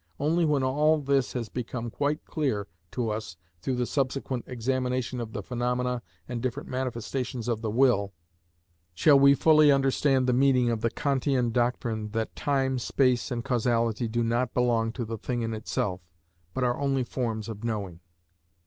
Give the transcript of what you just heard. Only when all this has become quite clear to us through the subsequent examination of the phenomena and different manifestations of the will, shall we fully understand the meaning of the Kantian doctrine that time, space and causality do not belong to the thing in itself, but are only forms of knowing.